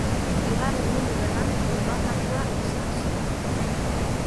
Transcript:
Bigarren Mundu Gerran bonbardatua izan zen.